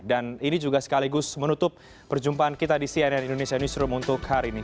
dan ini juga sekaligus menutup perjumpaan kita di cnn indonesia newsroom untuk hari ini